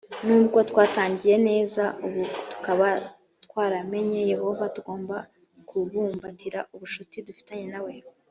nubwo twatangiye neza ubu tukaba twaramenye yehova tugomba kubumbatira ubucuti dufitanye na we